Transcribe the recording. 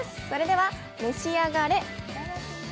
それでは、召し上がれ。